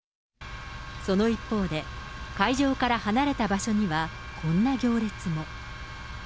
その一方で、会場から離れた場所にはこんな行列も。